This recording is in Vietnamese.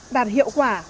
đạt hiệu quả